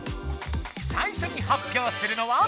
最初に発表するのは。